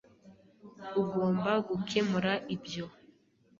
Ugomba gukemura ibyo.